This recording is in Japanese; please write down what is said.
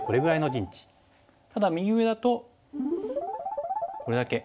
ただ右上だとこれだけ。